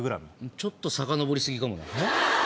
ちょっとさかのぼり過ぎかもな。